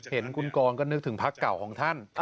เห็นคุณกรก็นึกถึงพักเก่าของท่าน